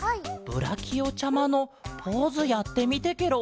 ブラキオちゃまのポーズやってみてケロ！